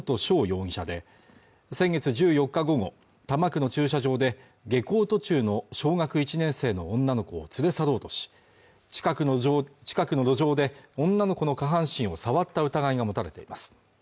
容疑者で先月１４日午後多摩区の駐車場で下校途中の小学１年生の女の子を連れ去ろうとし近くの路上で女の子の下半身を触った疑いが持たれています